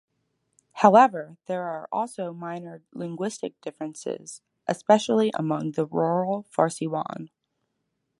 However, there are also minor linguistic differences especially among the rural Farsiwan.